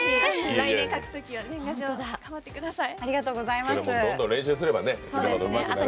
来年、書くときは頑張ってください。